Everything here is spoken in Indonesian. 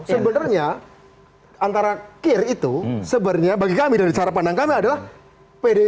sebenarnya antara kir itu sebenarnya bagi kami dari cara pandang kami adalah pdip